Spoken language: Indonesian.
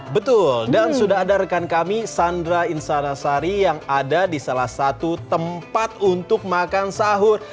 betul dan sudah ada rekan kami sandra insanasari yang ada di salah satu tempat untuk makan sahur